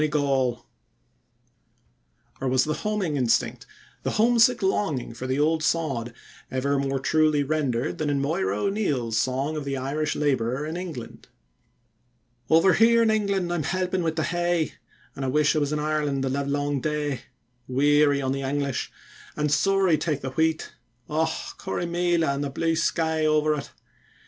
[Footnote 1: "Your health."] Or was the homing instinct, the homesick longing for the old sod, ever more truly rendered than in Moira O'Neill's song of the Irish laborer in England? Over here in England I'm helpin' wi' the hay, An' I wish I was in Ireland the livelong day; Weary on the English, an' sorra take the wheat! Och! Corrymeela an' the blue sky over it.